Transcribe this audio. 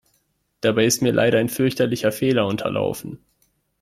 Dabei ist mir leider ein fürchterlicher Fehler unterlaufen.